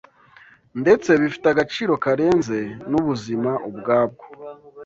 ndetse bifite agaciro karenze n’ubuzima ubwabwo